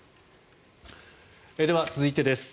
では、続いてです。